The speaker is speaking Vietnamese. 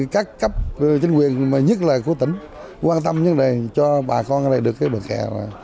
các cấp chính quyền nhất là của tỉnh quan tâm cho bà con ở đây được bờ kẹo